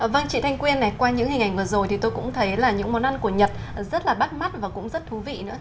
vâng chị thanh quyên này qua những hình ảnh vừa rồi thì tôi cũng thấy là những món ăn của nhật rất là bắt mắt và cũng rất thú vị nữa